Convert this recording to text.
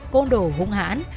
côn đồ hung hãn